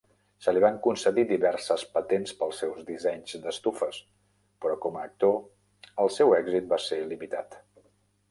Se li van concedir diverses patents pel seus dissenys d'estufes, però com a actor el seu èxit va ser limitat.